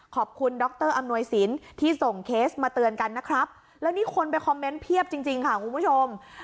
ขอบคุณดรอำนวยสินที่ส่งเคสมาเตือนกันนะครับแล้วนี่คนไปคอมเมนต์เพียบจริงจริงค่ะคุณผู้ชม